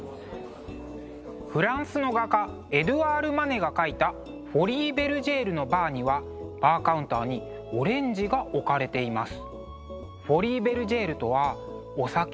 フランスの画家エドゥアール・マネが描いた「フォリー・ベルジェールのバー」にはバーカウンターにオレンジが置かれています。